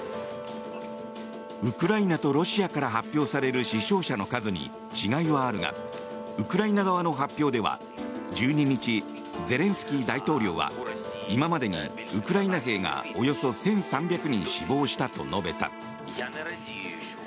ウクライナとロシアから発表される死傷者の数に違いはあるがウクライナ側の発表では１２日、ゼレンスキー大統領は今までにウクライナ兵がおよそ１３００人死亡したと述べた。